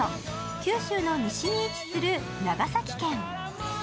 九州の西に位置する長崎県。